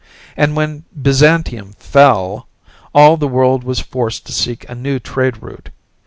And when Byzantium fell, all the world was forced to seek a new trade route.